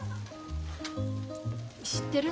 知ってるの。